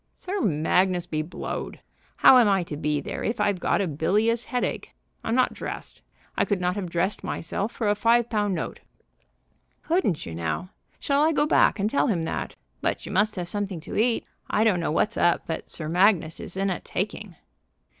"Sir Magnus be blowed! How am I to be there if I've got a bilious headache? I'm not dressed. I could not have dressed myself for a five pound note." "Couldn't you, now? Shall I go back and tell him that? But you must have something to eat. I don't know what's up, but Sir Magnus is in a taking."